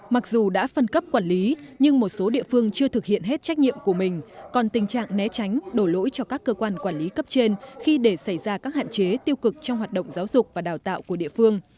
mặc dù đã phân cấp quản lý nhưng một số địa phương chưa thực hiện hết trách nhiệm của mình còn tình trạng né tránh đổ lỗi cho các cơ quan quản lý cấp trên khi để xảy ra các hạn chế tiêu cực trong hoạt động giáo dục và đào tạo của địa phương